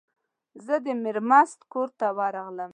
زه د میرمست کور ته ورغلم.